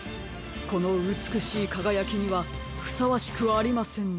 このうつくしいかがやきにはふさわしくありませんね。